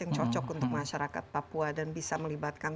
yang cocok untuk masyarakat papua dan bisa melibatkan